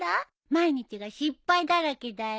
毎日が失敗だらけだよ。